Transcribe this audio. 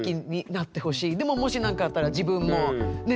でももしなんかあったら自分もね。